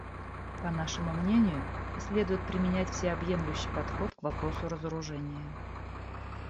По нашему мнению, следует применять всеобъемлющий подход к вопросу разоружения.